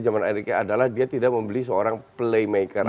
zaman ericknya adalah dia tidak membeli seorang playmaker